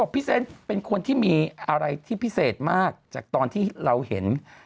เซนต์เป็นคนที่มีอะไรที่พิเศษมากจากตอนที่เราเห็น